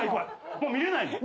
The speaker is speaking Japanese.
もう見れないもん。